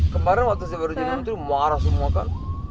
kemarin waktu saya baru jadi menteri marah semua kan